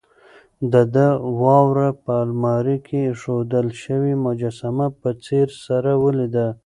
د ده وراره په المارۍ کې اېښودل شوې مجسمه په ځیر سره ولیده.